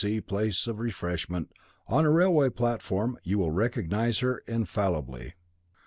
B. C. place of refreshment, on a railway platform, you will recognise her infallibly.'